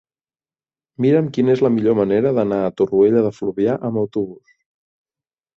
Mira'm quina és la millor manera d'anar a Torroella de Fluvià amb autobús.